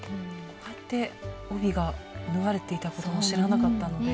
こうやって帯が縫われていたことも知らなかったので。